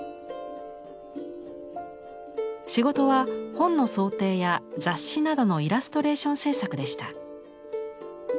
仕事は本の装丁や雑誌などのイラストレーション制作でした。